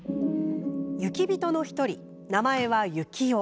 雪人の１人、名前はユキオ。